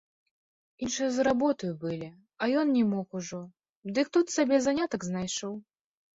Іншыя за работаю былі, а ён не мог ужо, дык тут сабе занятак знайшоў.